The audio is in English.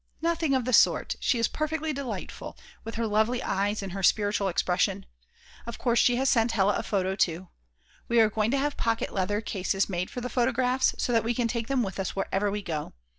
Nothing of the sort, she is perfectly beautiful, with her lovely eyes and her spiritual expression! Of course she has sent Hella a photo too. We are going to have pocket leather cases made for the photographs, so that we can take them with us wherever we go.